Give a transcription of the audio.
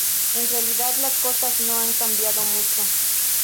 En realidad las cosas no han cambiado mucho.